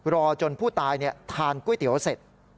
รอจนผู้ตายทานก๋วยเตี๋ยวเสร็จ